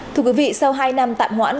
thưa quý vị sau hai năm tạm hoãn